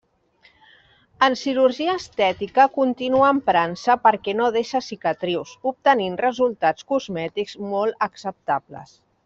En cirurgia estètica continua emprant-se perquè no deixa cicatrius, obtenint resultats cosmètics molt acceptables.